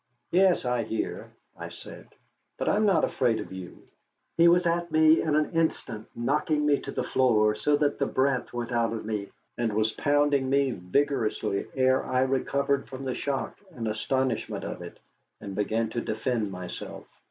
"Yes, I hear," I said. "But I am not afraid of you." He was at me in an instant, knocking me to the floor, so that the breath went out of me, and was pounding me vigorously ere I recovered from the shock and astonishment of it and began to defend myself.